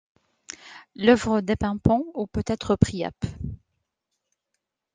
L’œuvre dépeint Pan — ou peut-être Priape.